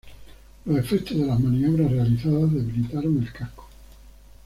Los efectos de las maniobras realizadas debilitaron el casco.